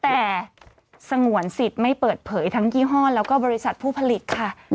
แต่สงวนสิทธิ์ไม่เปิดเผยทั้งยี่ห้อแล้วก็บริษัทผู้ผลิตค่ะ